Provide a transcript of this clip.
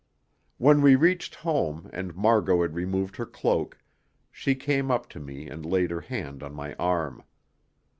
When we reached home, and Margot had removed her cloak, she came up to me and laid her hand on my arm.